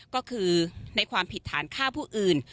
ก็คือในความผิดฐานฆ่าผู้อื่น